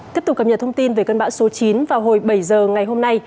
tiếp tục cập nhật thông tin về cơn bão số chín vào hồi bảy giờ ngày hôm nay